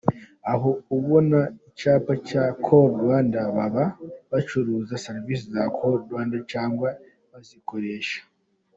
Aho ubona icyapa cya Call Rwanda baba bacuruza Servisi za Call Rwanda cyangwa bazikoresha.